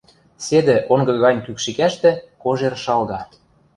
Седӹ онгы гань кӱкшикӓштӹ кожер шалга.